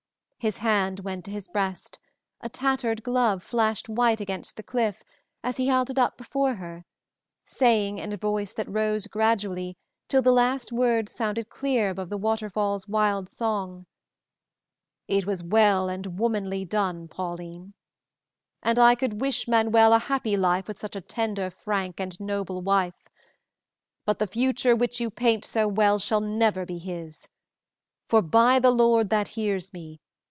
His hand went to his breast, a tattered glove flashed white against the cliff as he held it up before her, saying, in a voice that rose gradually till the last words sounded clear above the waterfall's wild song: "It was well and womanly done, Pauline, and I could wish Manuel a happy life with such a tender, frank, and noble wife; but the future which you paint so well never shall be his. For, by the Lord that hears me!